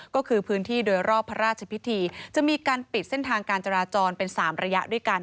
ก็คือพื้นที่โดยรอบพระราชพิธีจะมีการปิดเส้นทางการจราจรเป็น๓ระยะด้วยกัน